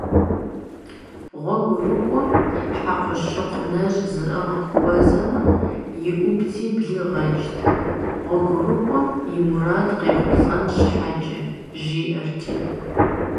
ГъуэгурыкӀуэм хьэкъущыкъу нэщӀ зыӀыгъ хуэзэмэ, иӀубти блигъэкӀт, гъуэгурыкӀуэм и мурад къехъулӀэн щхьэкӀэ, жиӀэрти.